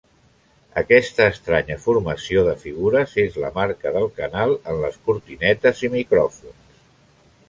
Aquesta estranya formació de figures és la marca del canal en les cortinetes i micròfons.